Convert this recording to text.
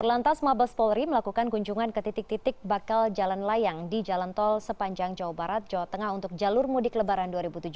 lantas mabes polri melakukan kunjungan ke titik titik bakal jalan layang di jalan tol sepanjang jawa barat jawa tengah untuk jalur mudik lebaran dua ribu tujuh belas